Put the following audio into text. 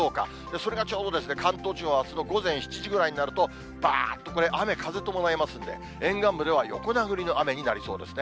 それがちょうど関東地方あすの午前７時ぐらいになると、ばーっとこれ、雨、風伴いますんで、沿岸部では横殴りの雨になりそうですね。